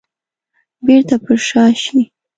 بيرته پر شا شي.